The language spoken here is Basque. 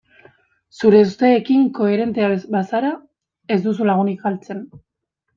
Zure usteekin koherentea bazara ez duzu lagunik galtzen.